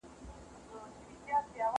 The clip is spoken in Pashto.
که وخت وي، کتابتون ته ځم؟!